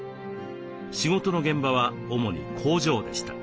仕事の現場は主に工場でした。